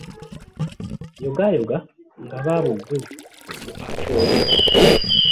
Yogaayoga nga baabo Gulu mu Acholi.